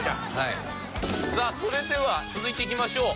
さあそれでは続いていきましょう。